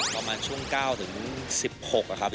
ประมาณช่วง๙ถึง๑๖ครับ